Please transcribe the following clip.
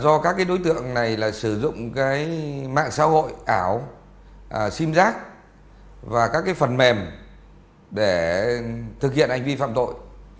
do các cái đối tượng này là sử dụng cái mạng xã hội ảo sim rác và các cái phần mềm để thực hiện hành vi phạm tội